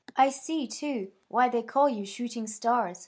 I see, too, why they call you shooting stars."